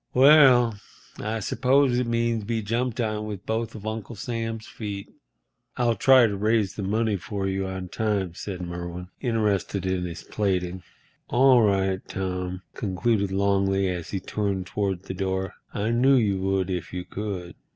"Well, I suppose it means be jumped on with both of Uncle Sam's feet." "I'll try to raise the money for you on time," said Merwin, interested in his plaiting. "All right, Tom," concluded Longley, as he turned toward the door; "I knew you would if you could."